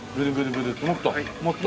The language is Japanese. もっと？